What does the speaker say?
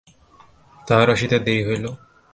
তাহার আসিতে দেরি হইল।